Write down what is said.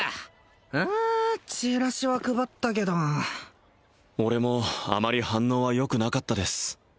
うんチラシは配ったけど俺もあまり反応はよくなかったです